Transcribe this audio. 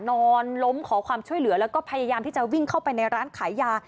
นอนล้มขอความช่วยเหลือแล้วก็พยายามที่จะวิ่งเข้าไปในร้านขายยา